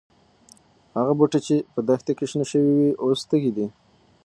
هغه بوټي چې په دښته کې شنه شوي وو، اوس تږي دي.